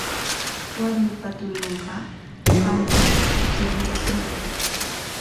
Warmiipa turinqa qantris churiyuqmi.